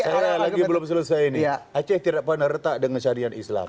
sekarang lagi belum selesai ini aceh tidak pernah retak dengan syariat islam